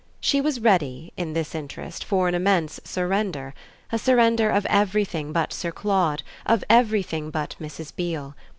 She was ready, in this interest, for an immense surrender, a surrender of everything but Sir Claude, of everything but Mrs. Beale.